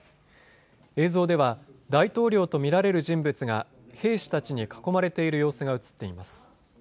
映像では大統領と見られる人物が兵士たちに囲まれている様子が写っています。